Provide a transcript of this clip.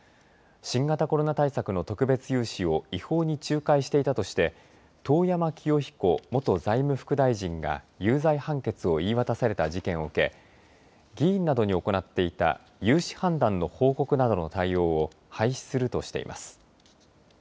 新型コロナ対策の特別融資を違法に仲介していたとして遠山清彦元財務副大臣が有罪判決を言い渡された事件を受け議員などに行っていた融資判断の報告などの対応を廃止するとしています。